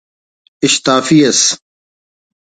اِشتافی ئس